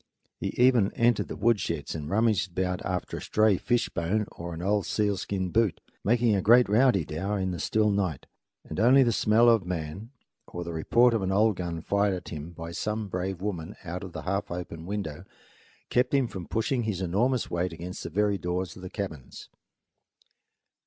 He even entered the woodsheds and rummaged about after a stray fishbone or an old sealskin boot, making a great rowdydow in the still night; and only the smell of man, or the report of an old gun fired at him by some brave woman out of the half open window, kept him from pushing his enormous weight against the very doors of the cabins.